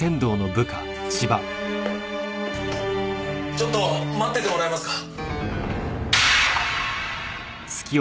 ちょっと待っててもらえますか？